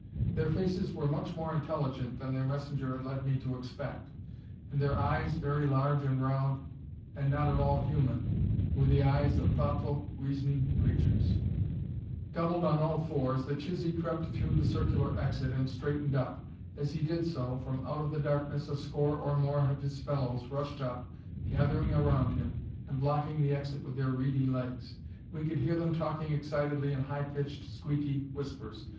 Their faces were much more intelligent than their messenger had led me to expect, and their eyes, very large and round, and not at all human, were the eyes of thoughtful, reasoning creatures. Doubled on all fours, the Chisee crept through the circular exit, and straightened up. As he did so, from out of the darkness a score or more of his fellows rushed up, gathering around him, and blocking the exit with their reedy legs. We could hear than talking excitedly in high pitched, squeaky whispers.